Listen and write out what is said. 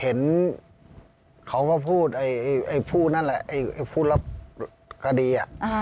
เห็นเขามาพูดไอ้ผู้นั่นแหละผู้รับคดี